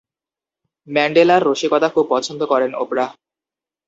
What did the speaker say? ম্যান্ডেলার রসিকতা খুব পছন্দ করেন অপরাহ্।